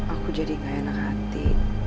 aku jadi gak enak hati